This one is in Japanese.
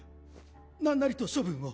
なんなりと処分を。